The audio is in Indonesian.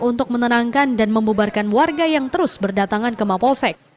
untuk menenangkan dan membubarkan warga yang terus berdatangan ke mapolsek